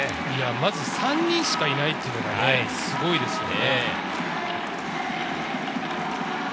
まず３人しかいないというのがすごいですよね。